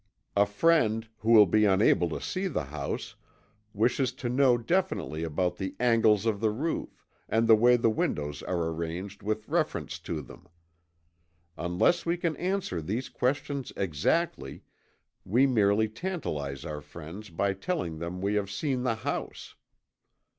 A friend, who will be unable to see the house, wishes to know definitely about the angles of the roof, and the way the windows are arranged with reference to them. Unless we can answer these questions exactly, we merely tantalize our friends by telling them we have seen the house.